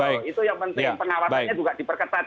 itu yang penting pengawasannya juga diperketat